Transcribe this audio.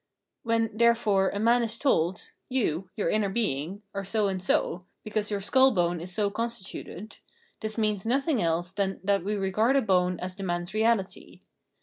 When, therefore, a man is told, " You (your inner being) are so and so, because your skull bone is so constituted," this means nothiag else than that we regard a bone as the man's reality.